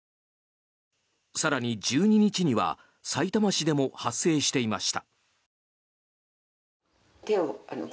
更に１２日には、さいたま市でも発生していました。